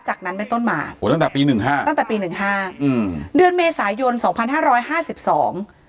จากนั้นไปต้นมาตั้งแต่ปี๑๕ตั้งแต่ปี๑๕เดือนเมศยสน๒๕๕๒